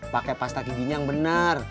pakai pasta giginya yang benar